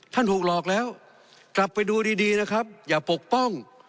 ถูกหลอกแล้วกลับไปดูดีดีนะครับอย่าปกป้อง